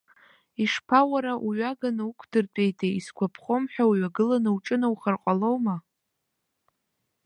Ишԥа, уара, уҩаганы уқәдыртәеитеи, исгәаԥхом ҳәа уҩагыланы уҿынаухар ҟалома?